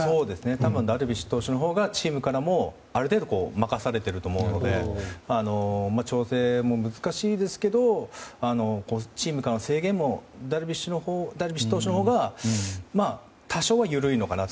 多分ダルビッシュ投手のほうがチームからもある程度任されていると思うので調整も難しいですけどチームの制限もダルビッシュ投手のほうが多少は緩いのかなと。